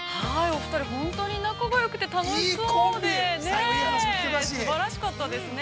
◆お二人、本当に仲がよくて、楽しそうでね。